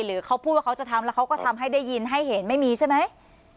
หรือเขาพูดว่าเขาจะทำแล้วเขาก็ทำให้ได้ยินให้เห็นไม่มีใช่ไหม